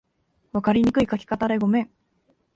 分かりにくい書き方でごめん